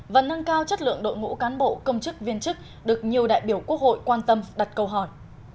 và nâng cao chất lượng đội ngũ cán bộ công chức viên chức được nhiều đại biểu quốc hội quan tâm đặt câu hỏi